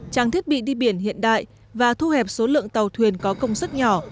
trang thiết bị đi biển hiện đại và thu hẹp số lượng tàu thuyền có công suất nhỏ